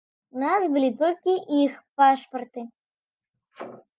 У нас былі толькі іх пашпарты.